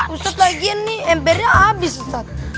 ustadz lagi nih embernya abis ustadz